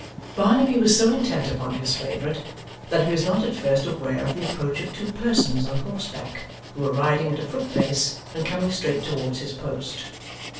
Barnaby was so intent upon his favourite, that he was not at first aware of the approach of two persons on horseback, who were riding at a foot pace, and coming straight towards his post.